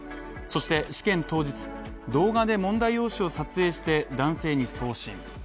そして試験当日動画で問題用紙を撮影して男性に送信。